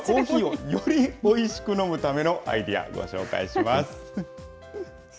きょうはコーヒーをよりおいしく飲むためのアイデア、ご紹介します。